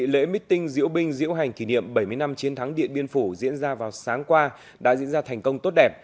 lễ meeting diễu binh diễu hành kỷ niệm bảy mươi năm chiến thắng điện biên phủ diễn ra vào sáng qua đã diễn ra thành công tốt đẹp